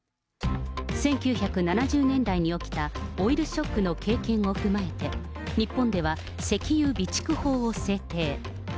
１９７０年代に起きたオイルショックの経験を踏まえて、日本では石油備蓄法を制定。